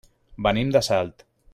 Venim de Salt.